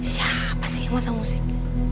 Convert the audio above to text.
siapa sih yang masang musik